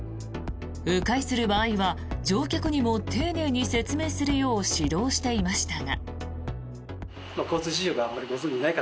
迂回する場合は乗客にも丁寧に説明するよう指導していましたが。